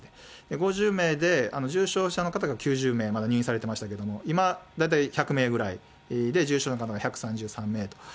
５０名で、重症者の方が９０名、まだ入院されてましたけども、今、大体１００名ぐらいで、重症の方が１３３名と。